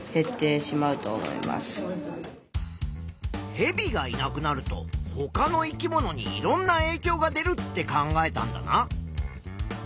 ヘビがいなくなるとほかの生き物にいろんなえいきょうが出るって考えたんだな。